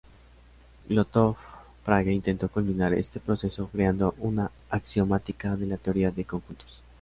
Gottlob Frege intentó culminar este proceso creando una axiomática de la teoría de conjuntos.